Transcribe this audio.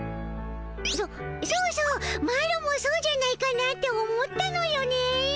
そそうそうマロもそうじゃないかなって思ったのよね。